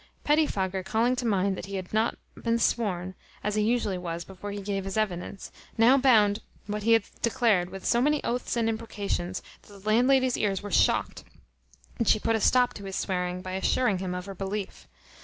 Petty fogger calling to mind that he had not been sworn, as he usually was, before he gave his evidence, now bound what he had declared with so many oaths and imprecations that the landlady's ears were shocked, and she put a stop to his swearing, by assuring him of her belief.